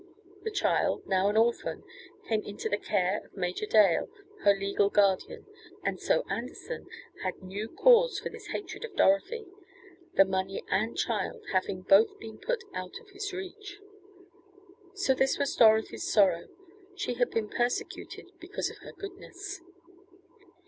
The child, now an orphan, came into the care of Major Dale, her legal guardian and so Anderson had new cause for his hatred for Dorothy the money and child having both been put out of his reach. So this was Dorothy's sorrow: she had been persecuted because of her goodness.